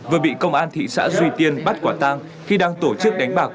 vừa bị công an thị xã duy tiên bắt quả tang khi đang tổ chức đánh bạc